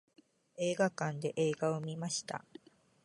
映画館で映画を観ました。